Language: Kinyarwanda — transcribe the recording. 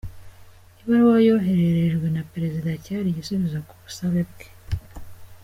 Ibaruwa yohererejwe na perezida cyari igisubizo ku busabe bwe.